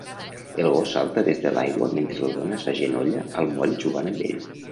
El gos salta des de l'aigua mentre la dona s'agenolla al moll jugant amb ell